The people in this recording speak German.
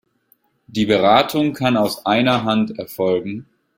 Die Beratung kann aus „einer Hand“ erfolgen.